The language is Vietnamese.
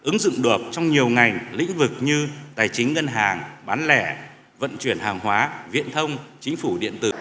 ngành lĩnh vực như tài chính ngân hàng bán lẻ vận chuyển hàng hóa viện thông chính phủ điện tử